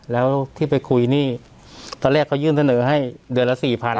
แล้วที่ไปคุยนี่ตอนแรกเขายื่นเสนอให้เดือนละ๔๐๐